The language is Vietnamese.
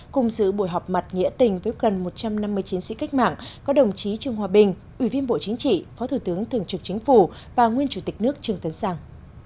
cùng sự buổi họp mặt nghĩa tình với gần một trăm năm mươi chiến sĩ cách mạng có đồng chí trương hòa bình ủy viên bộ chính trị phó thủ tướng thường trực chính phủ và nguyên chủ tịch nước trương tấn sàng